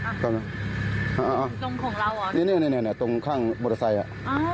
ตรงของเราเหรอเนี่ยเนี่ยเนี่ยเนี่ยตรงข้างมอเตอร์ไซค์อ่า